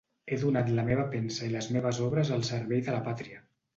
He donat la meva pensa i les meves obres al servei de la pàtria.